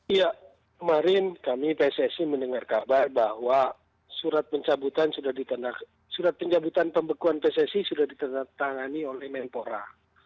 iya kemarin kami pssi mendengar kabar bahwa surat pencabutan pembekuan pssi sudah ditandatangani oleh menpora